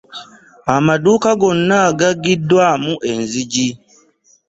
Amaduuka gonna gaggiddwaamu enzigi.